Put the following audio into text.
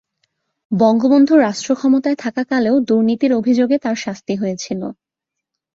বঙ্গবন্ধু রাষ্ট্রক্ষমতায় থাকাকালেও দুর্নীতির অভিযোগে তাঁর শাস্তি হয়েছিল।